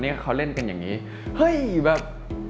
เขาเล่นกันอย่างนี้เฮ้ยแบบ